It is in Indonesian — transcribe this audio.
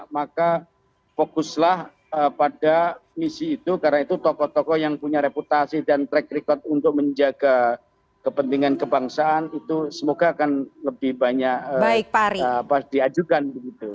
maka fokuslah pada misi itu karena itu tokoh tokoh yang punya reputasi dan track record untuk menjaga kepentingan kebangsaan itu semoga akan lebih banyak diajukan begitu